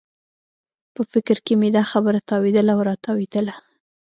په فکر کې مې دا خبره تاوېدله او راتاوېدله.